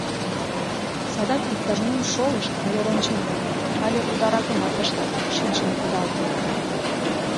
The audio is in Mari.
Садак иктаж-мом шолышт але рончен каят, але ударакымат ыштат — шинчын кудалыт.